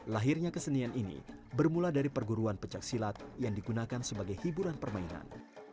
lahirnya kesenian ini bermula dari perguruan pencaksilat yang digunakan sebagai hiburan permainan